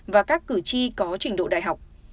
và các cử tri có trình độ đại học